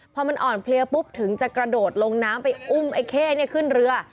พอมันอ่อนเพลียปุ๊บถึงจะกระโดดลงน้ำไปอุ้มไอ้เข้ขึ้นเรือ